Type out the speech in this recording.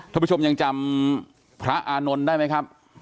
ท่านผู้ชมยังจำพระอานนท์ได้ไหมครับ